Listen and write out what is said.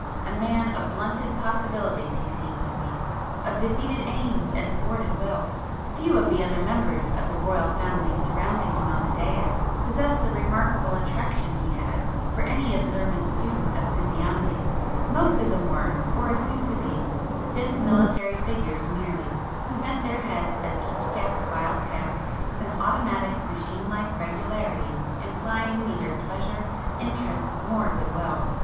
A man of blunted possibilities he seemed to me,—of defeated aims, and thwarted will. Few of the other members of the Royal family surrounding him on the daïs, possessed the remarkable attraction he had for any observant student of physiognomy,—most of them were, or assumed to be, stiff military figures merely who bent their heads as each guest filed past with an automatic machine like regularity implying neither pleasure, interest, nor good will.